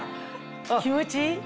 気持ちいい？